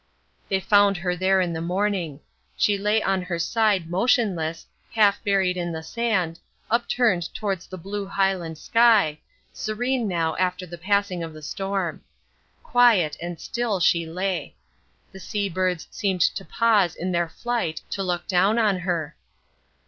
They found her there in the morning. She lay on her side motionless, half buried in the sand, upturned towards the blue Highland sky, serene now after the passing of the storm. Quiet and still she lay. The sea birds seemed to pause in their flight to look down on her.